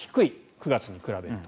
９月に比べると。